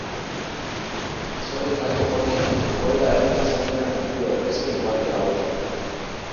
Azoreetako poniak egoera erdi-basatian aurkitu daitezke uharte hauetan.